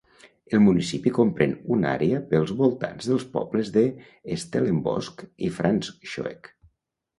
El municipi comprèn una àrea pels voltants dels pobles de Stellenbosch i Franschhoek.